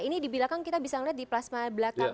ini di belakang kita bisa melihat di plasma belakang